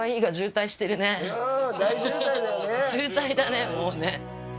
渋滞だねもうね。